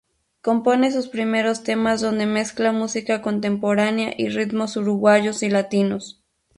Compone sus primeros temas donde mezcla música contemporánea y ritmos uruguayos y latinos.